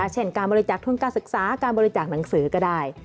เช่นการบริจาคทุนการศึกษาการบริจาคหนังสือก็ได้